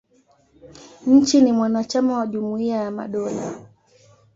Nchi ni mwanachama wa Jumuia ya Madola.